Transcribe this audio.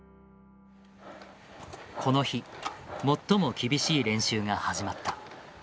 この日最も厳しい練習が始まった。